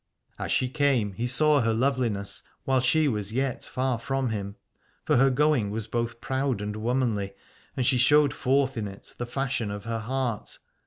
And as she came he saw her loveliness while she was yet far from him, for her going was both proud and womanly, and she showed forth in it the fashion of her heart.